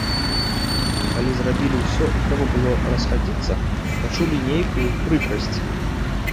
Калі зрабілі ўсё і трэба было расхадзіцца, пачулі нейкую прыкрасць.